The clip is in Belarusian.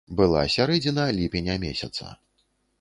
Была сярэдзіна ліпеня месяца.